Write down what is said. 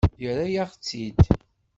Yerra-yaɣ-tt-id.